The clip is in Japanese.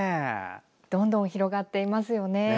どんどん広がっていますよね。